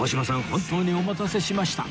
本当にお待たせしました